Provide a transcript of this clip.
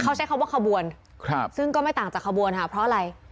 เขาใช้คำว่าขบวนครับซึ่งก็ไม่ต่างจากขบวนค่ะเพราะอะไร